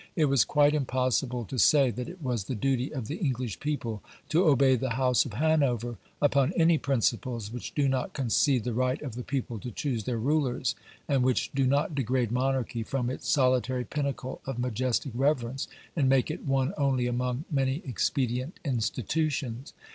It was quite impossible to say that it was the duty of the English people to obey the House of Hanover upon any principles which do not concede the right of the people to choose their rulers, and which do not degrade monarchy from its solitary pinnacle of majestic reverence, and make it one only among many expedient institutions.